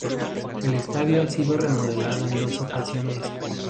El estadio ha sido remodelado en dos ocasiones.